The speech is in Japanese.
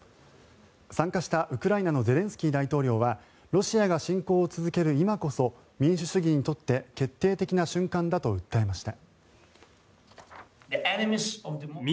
参加した、ウクライナのゼレンスキー大統領はロシアが侵攻を続ける今こそ民主主義にとって決定的な瞬間だと訴えました。